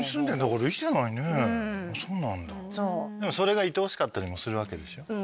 でもそれがいとおしかったりもするわけでしょ？